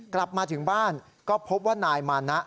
กลับมาถึงบ้านก็พบว่านายมานะ